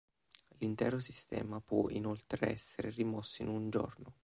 L'intero sistema può inoltre essere rimosso in un giorno.